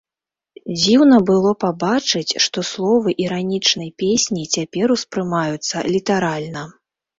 Дзіўна было пабачыць, што словы іранічнай песні цяпер успрымаюцца літаральна.